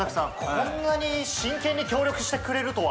こんなに真剣に協力してくれるとは。